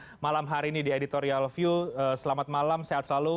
selamat malam hari ini di editorial view selamat malam sehat selalu